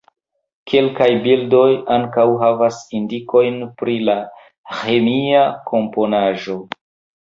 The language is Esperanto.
Kelkaj bildoj ankaŭ havas indikojn pri la ĥemia komponaĵo.